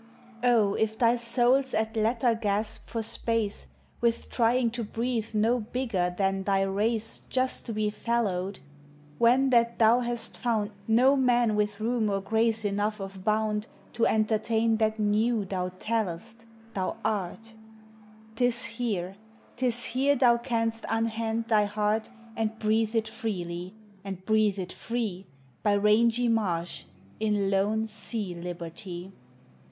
Oh! if thy soul 's at latter gasp for spa< e, With trying to breathe no bigger than thj race Just to be fellowed, when that Hem hast found 2G0 POEMS OF NATURE. No man with room or grace enough of bound To entertain that New thou tell'st, thou art — 'T is here, ? t is here thou canst unhand thy heart And breathe it freely, and breathe it free By rangy marsh, in lone sea liberty.